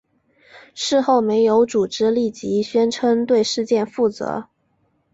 事后没有组织立即宣称对事件负责。